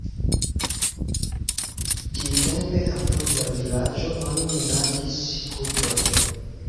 Tiutempe apud la vilaĝo oni minadis kupron.